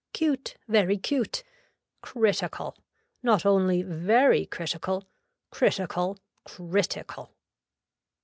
Cute, very cute, critical, not only very critical, critical, critical.